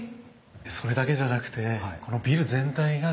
それだけじゃなくてこのビル全体がですね